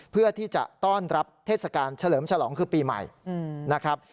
เพื่อที่จะต้อนรับเทศกาลเฉลิมฉลองคือปีใหม่นะครับ